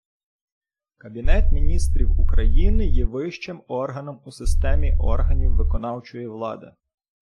Кабінет Міністрів України є вищим органом у системі органів виконавчої влади.